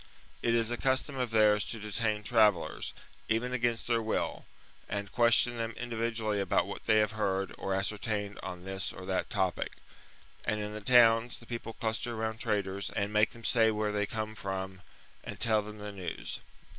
It is a custom of theirs to detain travellers, even against their will, and question them individually about what they have heard or ascertained on this or that topic ; and in the towns the people cluster round traders and make them, say where they come from and tell them the news.